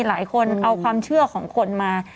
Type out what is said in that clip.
หลายคนเอาความเชื่อของคนมา